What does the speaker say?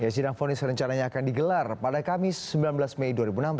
sidang fonis rencananya akan digelar pada kamis sembilan belas mei dua ribu enam belas